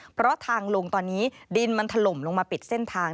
เพราะทางลงตอนนี้ดินมันถล่มลงมาปิดเส้นทาง